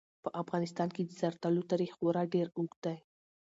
په افغانستان کې د زردالو تاریخ خورا ډېر اوږد دی.